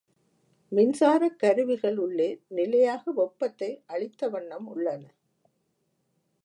மின்சாரக் கருவிகள் உள்ளே நிலையாக வெப்பத்தை அளித்த வண்ணம் உள்ளன.